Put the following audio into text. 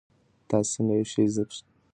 تاسې څنګه یو شی پېژندلای سئ؟